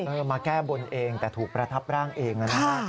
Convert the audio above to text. เธอเป็นคนเองแต่ถูกประทับร่างเอง